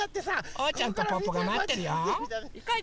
おうちゃんとぽぅぽがまってるよ。